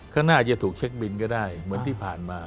ข้างหน้าจะถูกเช็คบินก็ได้เหมือนที่ผ่านมา